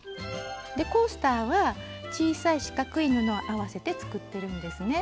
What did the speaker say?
コースターは小さい四角い布を合わせて作ってるんですね。